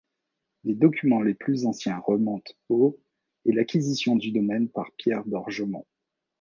Les documents les plus anciens remontent au et l'acquisition du domaine par Pierre d'Orgemont.